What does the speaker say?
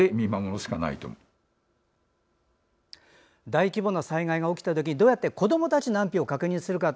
大規模な災害が起きたときどうやって子どもたちの安否を確認するか。